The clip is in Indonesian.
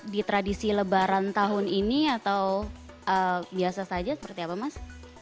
di tradisi lebaran tahun ini atau biasa saja seperti apa mas